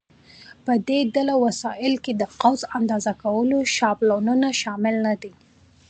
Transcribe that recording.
په دې ډله وسایلو کې د قوس اندازه کولو شابلونونه شامل نه دي.